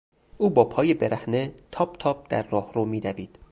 او با پای برهنه تاپ تاپ در راهرو میدوید.